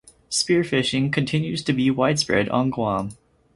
Spearfishing continues to be widespread on Guam.